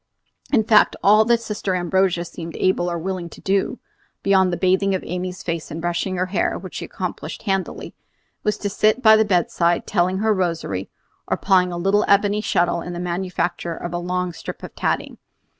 In fact, all that Sister Ambrogia seemed able or willing to do, beyond the bathing of Amy's face and brushing her hair, which she accomplished handily, was to sit by the bedside telling her rosary, or plying a little ebony shuttle in the manufacture of a long strip of tatting.